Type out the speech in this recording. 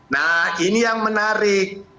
nah ini yang menarik